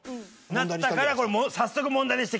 なったから早速問題にして。